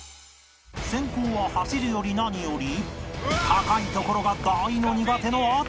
先攻は走るより何より高い所が大の苦手の淳